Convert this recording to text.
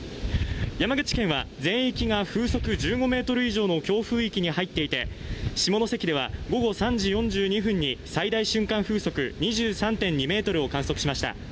山口県は全域が風速１５メートル以上の強風域に入っていて下関では午後３時４２分に最大瞬間風速２３．２メートルを観測しました。